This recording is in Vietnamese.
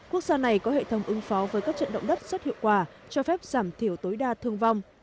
quốc gia này có hệ thống ứng phó với các trận động đất rất hiệu quả cho phép giảm thiểu tối đa thương vong